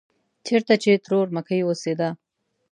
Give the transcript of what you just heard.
چېرته چې ترور مکۍ اوسېده.